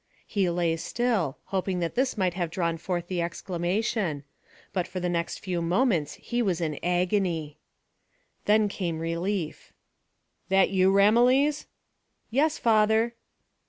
He lay still, hoping that this might have drawn forth the exclamation, but for the next few moments he was in agony. Then came relief. "That you, Ramillies?" "Yes, father."